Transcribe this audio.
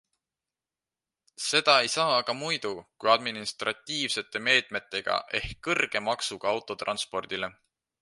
Seda ei saa aga muidu kui administratiivsete meetmetega ehk kõrge maksuga autotranspordile.